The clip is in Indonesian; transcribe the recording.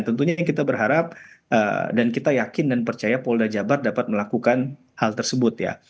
tentunya kita berharap dan kita yakin dan percaya polda jabar dapat melakukan hal tersebut ya